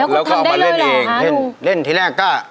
แล้วก็เอามาเล่นเอง